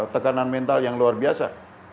tekanan mental yang luar biasa